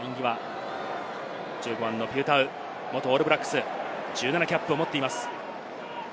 １５番のピウタウ、元オールブラックス、１７キャップを持っています。